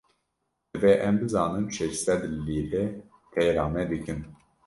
Divê em bizanin şeş sed lîre têra me dikin.